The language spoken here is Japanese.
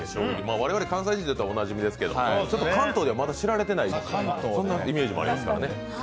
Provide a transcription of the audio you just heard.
我々関西人にとってはおなじみですけれども、関東ではまだ知られてない、そんなイメージもありますから。